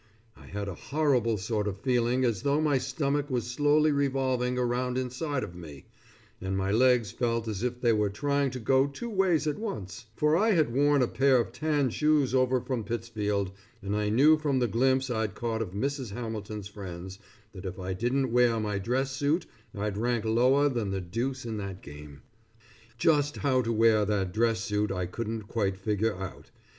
I had a horrible sort of feeling as though my stomach was slowly revolving around inside of me, and my legs felt as if they were trying to go two ways at once, for I had worn a pair of tan shoes over from Pittsfield, and I knew from the glimpse I'd caught of Mrs. Hamilton's friends, that if I didn't wear my dress suit I'd rank lower than the deuce in that game. Just how to wear that dress suit I couldn't quite figure out.